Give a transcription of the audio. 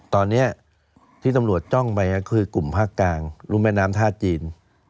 ตอนนี้ที่ตำรวจจ้องไปก็คือกลุ่มภาคกลางรุ่นแม่น้ำท่าจีน